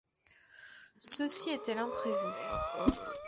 Ceci était l’imprévu.